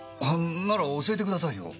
なら教えてくださいよ。